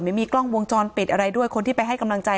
ไม่มีกล้องวงจรปิดอะไรด้วยคนที่ไปให้กำลังใจ